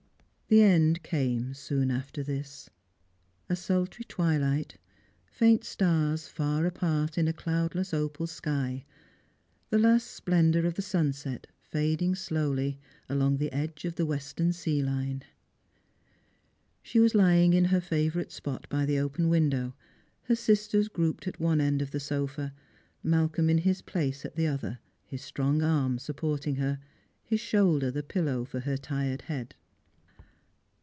The end came soon after this. A sultry twilight, faint stars 396 Stra'dgers and Pilgriins. far apart in a cloudlesa opal sky — the last splendour of the sunset fading slowly along the edge of the western sea line. She was lying in her favourite spot by the open window, her sisters grouped at one end of the sofa, Slalcolin in his place at the other, his strong arm supporting her, his shoulder the pillow lor her tired head.